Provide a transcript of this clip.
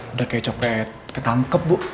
udah kayak coklat ketangkep bu